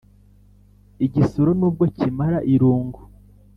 Igisoro n'ubwo kimara irungu